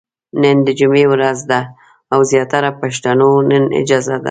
نن د جمعې ورځ ده او زياتره پښتنو نن اجازه ده ،